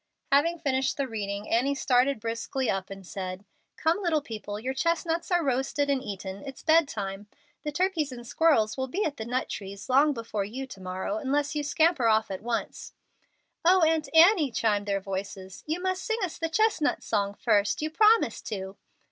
Having finished the reading, Annie started briskly up and said, "Come, little people, your chestnuts are roasted and eaten. It's bedtime. The turkeys and squirrels will be at the nut trees long before you to morrow unless you scamper off at once." "O, Aunt Annie," chimed their voices, "you must sing us the chestnut song first; you promised to."